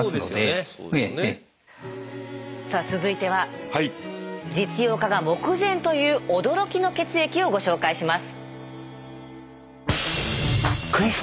さあ続いては実用化が目前という驚きの血液をご紹介します。